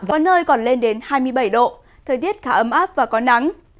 có nơi còn lên đến hai mươi bảy độ thời tiết khá ấm áp và có nắng